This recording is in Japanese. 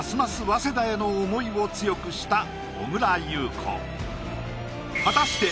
早稲田への思いを強くした小倉優子果たして